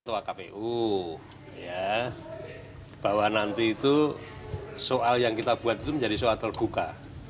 untuk akpu bahwa nanti itu soal yang kita buat itu menjadi soal terbuka